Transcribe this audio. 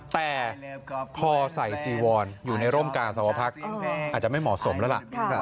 แต่พอใส่จีวอนอยู่ในร่มกาสวพักอาจจะไม่เหมาะสมแล้วล่ะ